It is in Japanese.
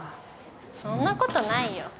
そんなことないよ。